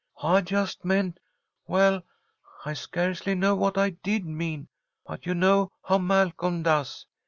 I just meant well I scarcely know what I did mean, but you know how Malcolm does.